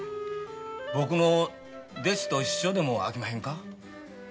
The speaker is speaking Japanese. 僕の弟子と一緒でもあきまへんか？